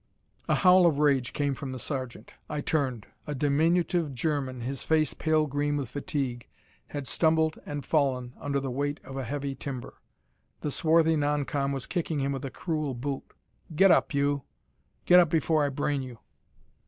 A howl of rage came from the sergeant. I turned. A diminutive German, his face pale green with fatigue, had stumbled and fallen under the weight of a heavy timber. The swarthy non com was kicking him with a cruel boot. "Get up, you; get up before I brain you!"